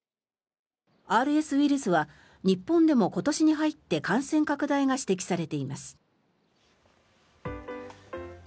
ＲＳウイルスは日本でも今年に入って感染拡大が指摘されています。